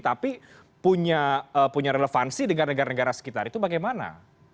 tapi punya relevansi dengan negara negara sekitar itu bagaimana